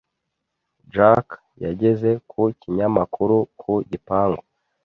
Jack yageze ku kinyamakuru ku gipangu.